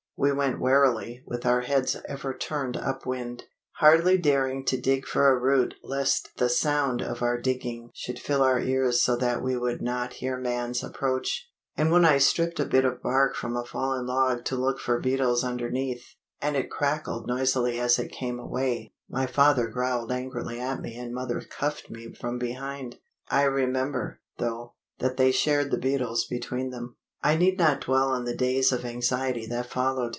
We went warily, with our heads ever turned up wind, hardly daring to dig for a root lest the sound of our digging should fill our ears so that we would not hear man's approach; and when I stripped a bit of bark from a fallen log to look for beetles underneath, and it crackled noisily as it came away, my father growled angrily at me and mother cuffed me from behind. I remember, though, that they shared the beetles between them. I need not dwell on the days of anxiety that followed.